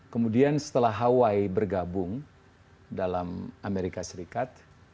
kemudian setelah hawaii bergabung dalam amerika serikat